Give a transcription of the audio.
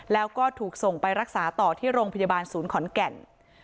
แล้วก็ถูกส่งไปรักษาต่อที่โรงพยาบาลศูนย์ขอนแก่น